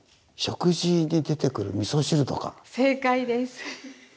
正解です！